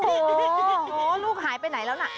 โอ้โหลูกหายไปไหนแล้วน่ะ